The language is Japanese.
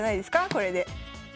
これで。